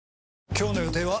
今日の予定は？